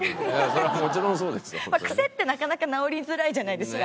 癖ってなかなか直りづらいじゃないですか。